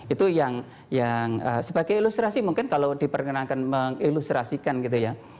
itu yang sebagai ilustrasi mungkin kalau diperkenankan mengilustrasikan gitu ya